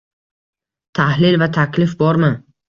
Tahlil va taklif bormi?